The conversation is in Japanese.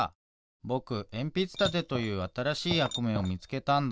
ぼくえんぴつたてというあたらしいやくめをみつけたんだ。